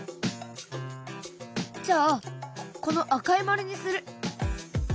じゃあこの赤い丸にする。